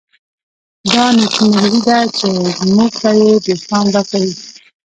دا نېکمرغي ده چې موږ ته یې دوستان راکړي.